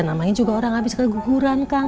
namanya juga orang habis keguguran kang